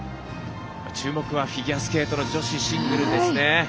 注目はフィギュアスケート女子シングル。